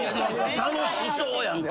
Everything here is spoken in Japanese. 楽しそうやんか。